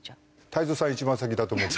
太蔵さん一番先だと思う。